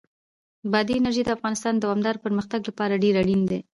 بادي انرژي د افغانستان د دوامداره پرمختګ لپاره ډېر اړین دي.